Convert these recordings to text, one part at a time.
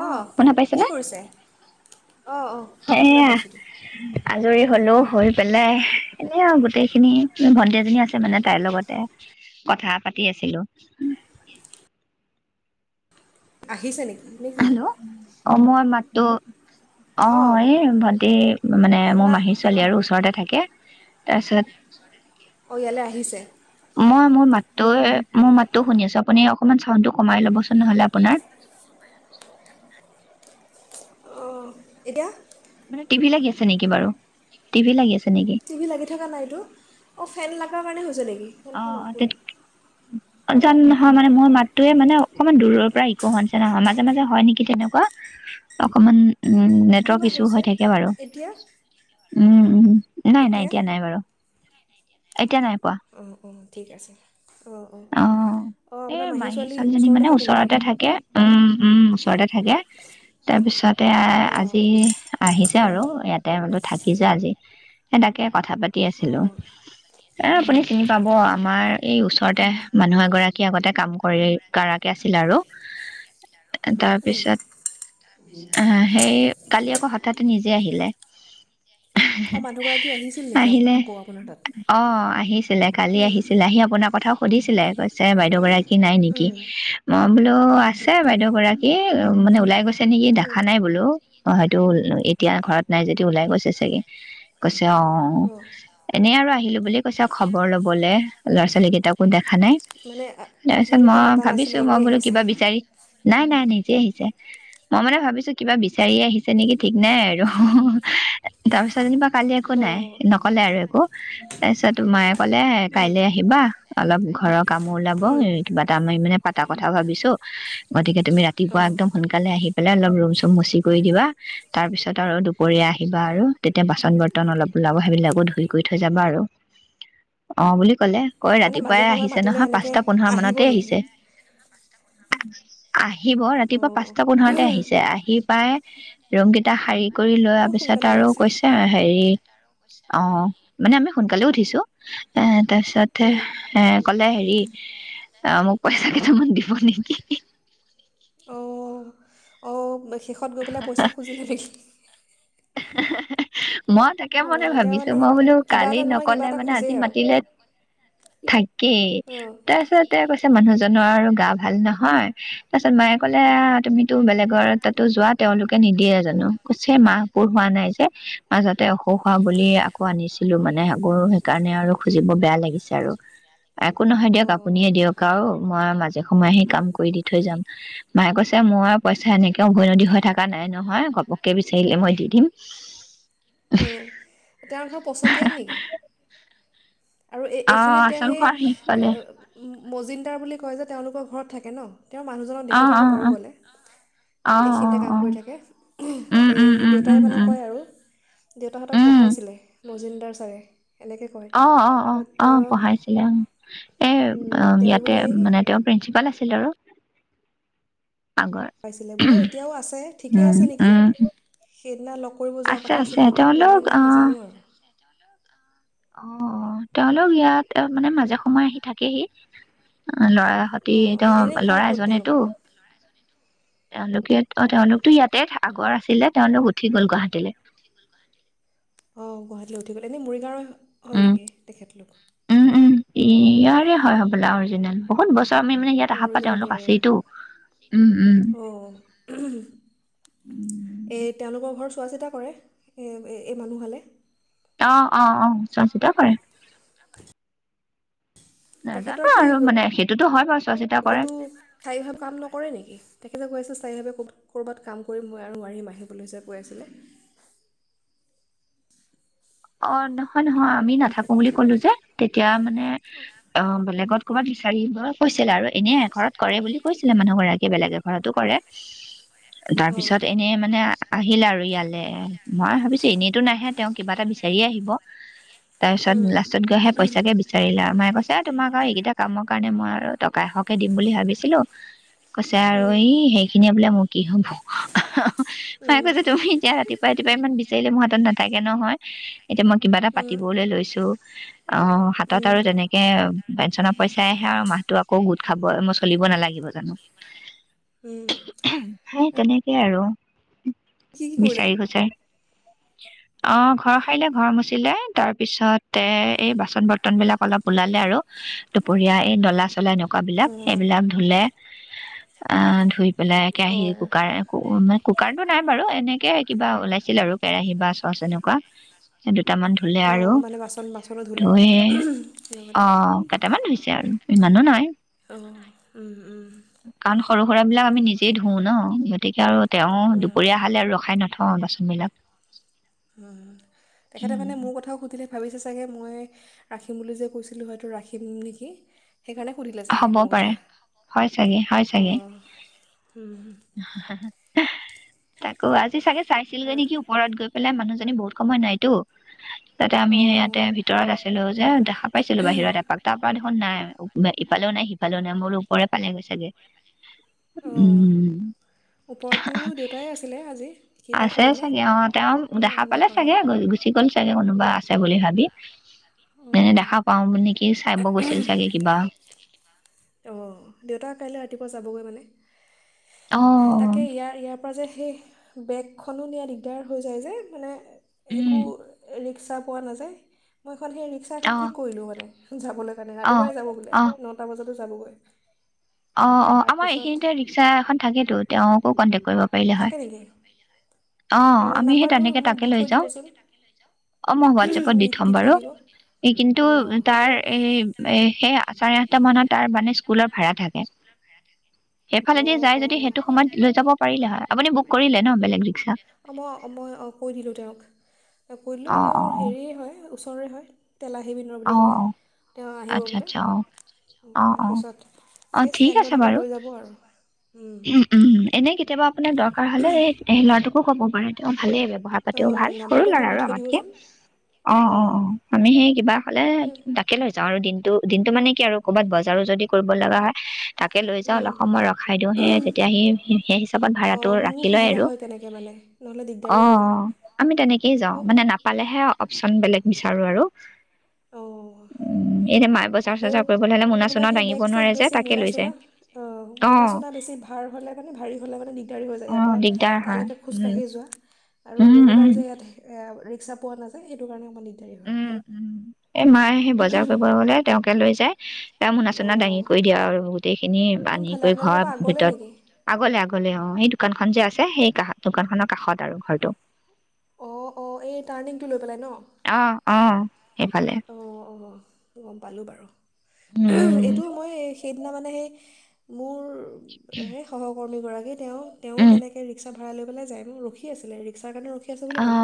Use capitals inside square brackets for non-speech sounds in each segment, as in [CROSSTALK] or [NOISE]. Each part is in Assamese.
অ, শুনা কি পাইছেনে? কৰিছে অঁ অঁ শুনা এয়া, পাইছোঁ দিয়ক আজৰি হলো। হৈ পেলাই এনে আৰু গোটেইখিনি ভন্টি এজনী আছে মানে, তাইৰ লগতে কথা পাতি আছিলো। আহিছে নেকি নে কি হেল্ল' অ, মই মাতো। অ, অঁ এই ভন্টি মানে মোৰ শুনা মাহী ছোৱালী আৰু ওচৰতে থাকে। তাৰছত অ ইয়ালৈ আহিছে? মই মোৰ মাতটোৱে মোৰ মাতটো শুনি আছোঁ। আপুনি অলপমান চাউণ্ডটো কমাই লবচোন নহলে আপোনাৰ। অঁ এতিয়া মানে টিভি লাগি আছে নেকি বাৰু? টিভি লাগি আছে। নেকি টিভি লাগি থকা নাইতো। অ, ফেন খোৱাৰ কাৰণে হৈছে নে ফেন খন অফ কৰি দি অ জান নহয় মানে মোৰ মাতটোয়ে মানে অকণমান দূৰৰ পৰা ইক' হোৱাৰ নিচিনা হয়। মাজে মাজে হয় নেকি তেনেকুৱা অকমান উম কি নেটৱৰ্ক বা ইছু হৈছে হৈ থাকে বাৰু। এতিয়া উম, নাই-নাই এতিয়া নাই বাৰু। এতিয়া নাই প অ, অঁ অঁ ঠিক আছে অঁ অঁ অঁ এই আপোনাৰ মাহী মাহীৰ ছোৱালী ছোৱালীজনী মানে থাকে নেকি ওচৰতে থাকে। উম, উম, ওচৰতে থাকে। তাৰপিছতে অঁ আজি আহিছে আৰু ইয়াত বলে বোলো থাকি যা আজি। সে তাকে বোলে কথা পাতি অঁ আছিলো। অঁ এ আপুনি চিনি পাব। আমাৰ এই ওচৰতে মানুহ এগৰাকী আগতে কাম কৰি কৰাকে আছিল আৰু উম। তাৰপিছত, আহ সেই কালি আকৌ হঠাতে নিজ সি আহিলে। সি অ' মানুহগৰাকী আহিছিল নেকি আকৌ আপোনাৰ অ তাত আহিছিলে কালি উম আহিছিলে আহি আপোনাক কথা সুধিছিলে কৈছে বাইদেউ গৰাকী নাই নেকি উম মই বোলো আছে বাইদেউ গৰাকী মে ওলাই গৈছে। ছে নেকি উম দেখা নাই বোলো অ' হয়তো এতিয়া ঘৰত নাই যদি ওলাই গৈছে চাগে অ' অঁ এনেই আৰু আহিলো বুলিুল কৈছ ল'ব ল'ৰা ছোৱালী কেইটাকো দেখা খা নাই মানে তাৰপিছত আপোনালোকে মই মাতা নাছিলে ভাবিছো মই এনেই বোলো আহিছে কিবা বিচাৰি নাই নাই নিজে আহিছে মই মানে ভাবিছো কিবা বিচাৰি আহিছে নেকি ঠিক নাই আৰু তাৰপিছত যেনিবা, কালি একো নাই অঁ নকলে আৰু একো তাৰপিছত তোমাৰে ক'লে উম কাইলে আহিবা অলপ ঘৰৰ কামো ওলাব উম কিবা এটা মাৰি মানে পতা কথাও ভাবিছো গতিকে তুমি ৰাতিপুৱা অঁ একম সোনকালে আহি প অলপ ৰুম চুম মচি কৰি দিবা তাৰ পিছত আৰু দুপৰীয়া আহিবা আৰু তেতিয়া বাচন বৰ্তন অলপ ওলাব সেইবিলাকো ধু ঘুই কৰি থৈ যাবা আৰু অ' বুলি কলে কৈ মানে ৰাতিপুৱাই মাজে সময়ে আহিছে মাতিলে নহয় এনেকৈ পাঁচটা পোন্ধৰ আহিব মানতে নেকি আহিছে হয় আহিব ৰাতিপুৱা অঁ পাঁচটা পোন্ধৰতে আহিছে আহি পাই ৰংগীতা শাৰী কৰি লোৱাৰ বহুত পিছত সোনকালে আৰু আহিছে কৈছে হেৰি অ মানেমি সোনকালে তাৰপিছত উম এ কলে হেৰি আহ মোক পইচা কিইছুামান দিব নেকি অ'অ'। ষত গৈ পেলাই পইচা খুজিলে দেকি হাহ হাহ। মই তাকে মনে অঁ তেওঁ ভাবিছো মানে মই বোলো কিবা কালি এটা নহয় কিবা নকলে এটা মানে আজি খোজেই আৰু মাতিলে থেংক ই কি অঁ অঁ তাৰপিছত এ কৈ মানুহজনৰ আৰু গা ভাল নহয়। তাৰ পািছত মায়ে ক'লে আহ তুমিতো বেলেগৰ তাতো যোৱা তেওঁলোকে নিদিয়ে জানো। কৈছে মা হোৱা নাই যে মাজতে অসুখ হোৱা বুলি আকৌ আনিছিলো মানে আগৌ সেইকাৰণে আৰু খুজিব বেয়া লাগিছে আৰু একো নহয় দিয়ক আপুনে দিয়ক আৰু মই মাজে সময় আহে কাম কৰি দি থৈ যাম। মায়ে কৈছে মোৰ পইচা এনেকে উভৈনদী হৈ থকা নাই নহয় গপককে বিচাৰিলে মই দি দিম। উম, তেওঁৰ ঘৰ পছতিীয়াত নেকি? আৰু এই আহ এইখিনি তেওঁ আচল সেই ঘৰ শেষফালে মজিন্দদাৰ বুলি কয় যে তেওঁলোকৰ ঘৰত থাকে ন? তেওঁৰ মানুহজনক অ দেখি অ থাকোঁ বাৰু অ গ'লে অ এই অ এইখিনিতে অ কাম কৰি থাকে উম উম এই উম দেউতাই উম মানে উম কয় আৰু দেউতাহঁতক উম মজুমদাৰ ছাৰে এনেকৈ কয় অ, অ, অ, আ, অ, তেওঁ পঢ়াইছিলে অ, এ উম, তেওঁ ইয়াতে বুলি মানে তেওঁৰ প্ৰিন্ঞ্চিপাল আছিল আৰু আগৰ পাইছিলে বোলে এতিয়াও আছে ঠিকেই উম আছে নেকি উম সেইদিনা লগ কৰিব যোৱাৰ আছে কথা আছে আছিল দেউতাই তেওঁলোক গ'লনেে নাই আহ নাজানো আৰু অ' তেওঁলোক ইয়াত মানে মাজে সময়ে আহি থাকেহি ল'ৰা সতি অঁ তেওঁ এনেই ঘৰ ল'ৰা ক'ত এজনেতো তেওঁলোকৰ তেওঁলোকেয়াত অ তেওঁলোকতো ইয়াতে আগৰ আছিলে তেওঁলোক উঠি গল গুৱাহাটীলে অ গুৱাহাটীলৈ উঠি গ'ল এনে মৰিগাঁৱৰ হয় উম নেকি তেখেতলোক উম উম অঁ ইয়াৰে হয় হ'বলা অৰিজিনেল বহুতছ অঁজন বিাৰ উম উম। অ' এই তেওঁলোকৰ ঘ চোৱা চিতা কৰে এই মানুহালে আহ অ' অ' চোৱা চিতা কৰে নাজানো তেখেতৰ কি আৰু মানে সেইটোতো হয় বাৰু চোৱা চিতা কৰে। কতো সায়ভাৱে কাম নকৰে নেকি সেইে যে কৈ আছিল সাৰাইভাবে কবাত ক'ৰবাত কাম কৰি মই আৰু মোৱাৰিম আহিবলৈ যে কৈ আছিলে অ নহয় নহয় আমি নাথাকো বুলি কলো যে তেতিয়া মানে অ বেলেগত ক'ৰবাত বিচাৰিব কৈছিলে আৰু এনে ঘৰত কৰে বুলি কৈছিলে মানুহ গৰাকীয়ে বেলেগে ঘৰতো কৰে তাৰ পিছত এনেই মানে আহিলে আৰু ইয়ালে মই ভাবিছো এনেতটো নাহে তেওঁ কিবা এটা বিচি চৰি আহিব তাৰ পিছত লাষ্টত গৈহে সেই পইচাকে বিচাৰিলে আৰু ময়ে কৈছে তোমাক আৰু এইকেইটা কামৰ কাৰণে মই আৰু টকা এশকে দিম বুলি ভাবিছিলো কৈছে আৰু ই সেইখিনিয়ে বোলে মোক কি হ'ব। মায়ে কৈ অঁ যে তুমি এতি নাথাকেতো ৰাতিুৱা ৰাতিপুৱা ইমান বিচাৰিলে মোৰ ত নাথাকে নহয়। [INAUDIBLE] এতিয়া মই কিবা এটা পাতিবলৈ লৈছো অ হাতত অঁ আৰু তেনেকে পেঞ্চনৰ পইচাই আহে আৰু মাহতটো আকৌ গোট খাব মই চলিব নালাগিব জানো [UNINTELLIGIBLE] হেই তেনে সেয়াই আৰু। কি কি কৰিলে বিচাৰি সূচায়। অ'। ঘৰ সাৰিলে ঘৰ মচিলে, তাৰপিছত এ - এই বাচন বৰ তন বিলাক অলপ ওলালে আৰু দুপৰীয়া এই ডলা চলা এনেকুৱা বিলাক, অঁ সেইবিলাক ধুলে আহ ধুই পেলাই কেৰাহী অঁ কুকাৰ। কুকাৰটো নাই বাৰু এনেকে কিবা ওলাইছিল আৰু কেৰাহী বা চচ এনেকুৱা [UNINTELLIGIBLE] কেইটামান ধুললেে আৰু অঁ মানে বাচন বাচনো ধুলে ধুই এ, লগতে অ' কেইটামান ধুই- আৰু ইমানো নাই অহ [UNINTELLIGIBLE] উম উম সৰু-সুৰা বিলাক আমি নি- নিজেই ধুওঁ ন গতিকে আৰু তেওঁ অঁ দুপৰীয়া আহালে আৰু ৰখাই নথাক অ বাচনবিলাক উ তেখেতে মানে মোৰ কথাও সুধিলে ভাবিছে চাগে মই ৰাখিম বুলি যে কৈছিলোঁ হয়তো ৰাখিম নেকি? সেইকাৰণে সুধিলে চাগে হ'ব মোৰ পাৰে কথা। হয় [UNINTELLIGIBLE] চাগে হয় চাগে অঁ, উম হাঁ! তাকো, আজি চাগে চাইছিলগে আৰু নেকি ওপৰত গৈ পেলাই মানুহ জ- বহুত সময় নাইতো, তাতে আমি অ'। ইয়াতে ভিতৰত আছিলো যে দেখা পাইছিলো বাহিৰত এপাক তাৰ পৰা দেখোন নাই [UNINTELLIGIBLE] ইফালেও নাই সিফালেও নাই। মই বোলো ওপৰে পালেগৈ চাগে অঁ, উম ওপৰতো দেউতাই আছিলে আজি? কিবা আছে কৰিলে চাগে অ তেওঁ দেখা গম পালে নাপাওঁ চাগে গল গুচি গ'ল চাগে চাগে কোনোবা আছে বুলি ভাবি এনে অ', দেখা পাওঁ বুলি নিকি চাই'ব গৈছিল চাগে কিবা অঁ, দেউতা কাইলৈ ৰাতিপুৱা যাবগৈ মানে? অ তাকে ইয়াৰ ইয়াৰ পাছত সেই বেগখনো নিয়া দিগদাৰ হৈ যায় যে মানে একো উম এনে- হিচাপে পোৱা নাযায় মই এখন সেই ৰিক্সা এখন অ ঠিক কৰিলোঁ মানে যাব লে কাৰনে, অ ৰাতিপুৱাই যাব বোলে অ নটা বজাত যাবগৈ অ, অ, আমাৰ তাৰপিছত এইখিনিতে ৰিক্সা এখন থাকেতটো তেওঁকো কণ্টেক্ কৰিব অ থাকে নেকি অঁ আমি সেই নাম্বাৰটো তেনেকে মোক তেকে দি লৈ থৈ যাও। দিবচোন অ মই হোৱাটএপত দি থম থৈ বাৰু। দিব ই কিন্তু অঁ তাৰ নহ'লে সেই চাৰে আঠটা মানত তাৰ মানে স্কুলৰ ভৰা থাক কে। সেইফালেদি যাই যদি সেইটো সময়ত লৈ যাব পাৰিলে হয়। আপুনি বক কৰিলে ন বেলেগ ৰিক্সা। অঁ মই মই অ কৈ দিলোঁ তেওঁক। হ'লেও অ এতিয়া অ হেৰিয়ে হয়,। ওচৰৰ হয় তেলাহী বিনৰ বুলি অ' ক'লে অ, তেওঁ আহিব আচ্ছা বোলে আচ্ছা, অ। অ- অ, তাৰপিছত অ সেই ঠিক আছে ষ্টেণ্ডলৈকে বাৰু। লৈ যাব আৰু উম, এনে কেতিয়াবা আপোনাৰ দৰকাৰ হ'লে এই স ল'ৰাটোকো ক'ব [INAUDIBLE] পঢ়া পাতিও অঁ ভাল, সৰু নাম্বাৰটো ল'ৰা মোক দি আৰু থৈ আমাতকে, দিবচোন অ-অ-অ, অঁ আমি সেই কিবা এই [INAUDIBLE] দিনটো, দিনটো মানে কি আৰু কৰ'বাত বজাৰো যদি কৰিব লগা হয় তাকে লৈ যাওঁ, উম, অলপ সময় ৰখাই দিওঁ, সেই তেতিয়া সি সেই হিচাপত ভাড়াটো অঁ মোৰো ৰাখি লয় সুবিধা আৰু। হয় তেনেকৈ মানে নহ'লে দিগদাৰী অ', হৈ যায় অ, আমি তেনেকেই যাওঁ অঁ উম, মানে নাপালেহে অপচন বেলেগ বিচাৰোঁ আৰু অ', উম এনে মায়ে বজাৰ আকৌ চজাৰ কৰিবলৈ হলে মোনা কোনোবাই চোনা সেই দাঙিব বেগ চেগ নোৱাৰে যে বেছি, তাকে মোনা লৈ যায় চোনা, অ অ মোনা চোনা বেছি ভাৰ হ'লে, মানে ভাৰী হ'লে মানে দিগদাৰে হৈ যায় অ ইয়াৰ পৰা দিগদাৰ হয় তালৈকে উম খোজকাাঢ়ি যোৱা আৰু উম ৰেগুলাৰ উম যে ইয়াত ৰিক্সা পোৱা নাযায়, সেইটো কাৰণে [UNINTELLIGIBLE] উম-উম। এ মায়ে সেই বজাৰ কৰিব গলে, তেওঁকে লৈ যায় এ মোনা চোনা দাঙি অঁ কৰি দিয়ে আৰু গোটেইখিনি আনি কোনফালে কৰি আপোনালোকৰ ঘৰৰ পৰা আগলৈ ভিতৰত, নেকি আগলে আগলে অ', সেই দোকান খন যে আছে, সেই কাষ দোকান খনৰ কাষত আৰু ঘৰটো। অ', অ', এই টাৰ্ণিংটো লৈ পেলাই অ', অ'। সেইফালে অ', অ', গম পালোঁ বাৰু উম এইটো মই এই, সেই মই, মানে, সেই মোৰ সেই সহকৰ্মী গৰাক তেওঁ, তেওঁ উম উম তেনেকে ৰিক্সা ভাৰা লৈ পেলাই যায়। [UNINTELLIGIBLE] ৰখি আছিলে। ৰিক্সা কাৰণে ৰখি ৰখি আছে বুলি অ ক'লে।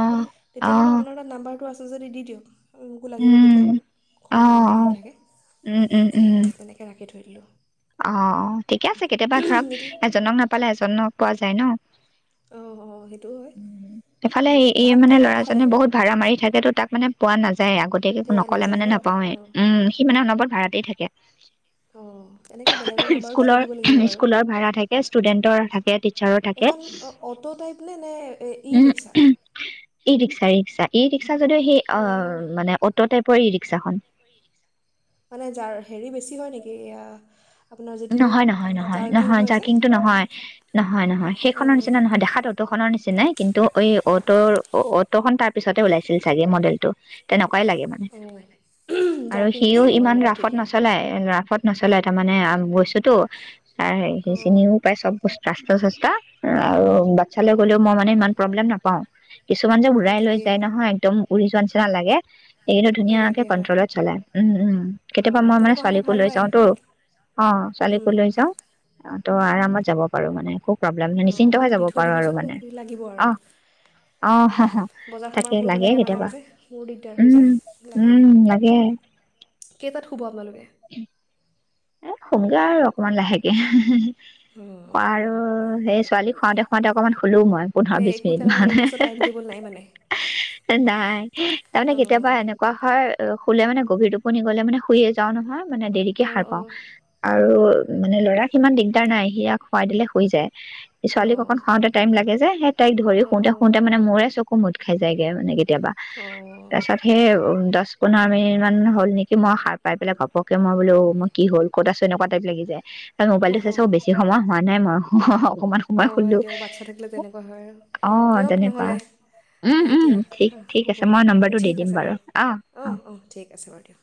অ তেতিয়া বোলে, আপোনাৰ তাত নাম্বাৰ দিয়ক লাগিব উম কেতিয়াবা অ ঘৰৰ মানুহো অ আহি থাকে উম উম উম সেয়াই তেনেকৈ ৰাখি থাক ধলো অ অ ঠিকে আছে কেতিয়াবা ধৰক এতিয়া এজনক নাপালে এজনক পোৱা যায় ন অঁ অঁ সেইটোও হয় এ, এফালে এই ভাত মানে কেইটাত খালে লৰাজনে বহুত অ, ভাড়া মাৰি থাকেতো তাক মানে পোৱা নাযায় যাই আগতীয়াকে একো পোৱা নকলে নাযায় মানে ন নাপাৱে অঁ উম সি মানে অনবত ভাাৰাতেই থাকে অ স্কুলৰ স্কুলৰ ভাড়া থাকে ষ্টুডেন্টৰ থাকে টিচাৰৰ থাকে এখন অ'টো টাইপ নে নে ই উম ৰিক্সা ই ৰিক্সা ৰিক্সা ৰি যদি সেই অ অঁ মানে অটো টাইপৰ শসাখন মানে যাৰ হেৰি বেছি হয় নেকি আপোনাৰ যিটো নহয় নহয় নহয় জাৰ্কিং নহয় হয় যে জাকিং নহয় নহয় নহয় সেইখনৰ অঁ নিচিনা নহয় দেখাাতো দুখনৰ নিচিনা নাই কিন্তু অ অ'টৰ অ অ ফ খন তাৰ পিছতে ওলাইছিল চাগে মডেলটো তেনেকুৱা কাই লাগে মানে অ' আৰু জাৰ্কিং সিও বেছি নহয় ইমান মানে ৰাফত ঠিকেই। নচলায় ৰাফত নচলে তাৰমানে আম বৈছোতো অ' সেইখিনিও পায় চব বস্তু স্বাস্থ্য চস্থা আৰু বাচ্ছালৈ গ'লেও মই অ'। মানে ইমান প্ৰব্লেম নাপাও কিছুমান যে অ' উৰাই লৈ ঠিকেই যায় নহয় একদম উৰি যোৱা নাল লাগে এইকন্তু অ' ধুনীয়াকে লাগে হয় কন্ট্ৰলত চলাই উম উম কেতিয়াবা অ' মই মানে তেনেকুৱা হ'লে ছোৱালীকো ভাল লৈ হয়। যাওতো অ অ' ছোৱালীকো লৈ যাও অ ত' আৰামত যাব পাৰো মানে খুব প্ৰব্লেম মে নিশ্চিন্ত হৈ মোক দি যাব থৈ পাৰোঁ আৰু দিবচোন মানে মোক লাগিব আৰু অঁ অহা বজাৰ সমাৰো কৰিব লাগে মাজে মাজে মোৰো দিগদাৰ হৈ উম যায় লাগিব উম লাগে কেইটাত শুব আপোনালোকে এ খোমগে আৰু অকমান লাহেকে অ' আৰু সেই ছোৱালী খাওঁতে খাওঁতে অকমান ক'লো, মই এই পোন্ধৰ-বিশ একো মিনিট, তেনেকুৱা মানে, নিৰ্দিষ্ট টাইম টেবুল নাই মানে নাই। তাৰমানে, কেতিয়াবা অ' এনেকুৱা হয় আ, শুলে, মানে, গভীৰ টোপনি গ'লে, মানে, শুইয়েই যাওঁ নহয়। মানে, দেৰি অ, আৰু মানে, ল'ৰাক সিমান দিগদাৰ নাই। সিয়াক শুৱাই দিলে শুই যায়। অ' ছোৱালীক অ' অকণ শুৱাওঁতে টাইম লাগে যে। সেই তাইক ধৰি অ' অ' শুতে-শুতে, মানে, মোৰেই চকু মোদ খাই যায়গে, মানে, কে কেতিয়াবা অঁ তাৰ পিছত সেই উ দহ পোন্ধৰ মিনিটমান হ'ল নেকি মই সাৰ পাই পেলাই ঘপকে মই বোলো কি হ'ল ক'ত চ এনেকুৱা টাইপ লাগি যায় ত মোবাইল টো অঁ চাইছ বেছি সময় হোৱা। নাই ম হয় দিয়ক বাচ্ছা থাকিলে তেনেকুৱা হয় আৰু অ দিয়ক তেনেকুৱা নহ'লে উম উম এতিয়া ঠিক ঠিক হ'ব আছে মই নোৱাৰো নম্বৰটো দি ঠিক দিম আছে বাৰু অ' অ' ঠিক আছে বাৰু দিয়ক